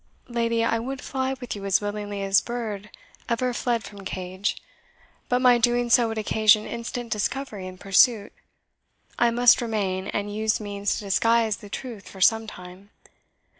"Lady, I would fly with you as willingly as bird ever fled from cage, but my doing so would occasion instant discovery and pursuit. I must remain, and use means to disguise the truth for some time.